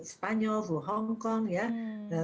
spanyol flu hongkong ya